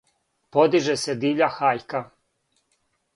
Подиже се дивља хајка